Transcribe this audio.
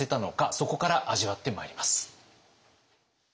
そこから味わってまいります。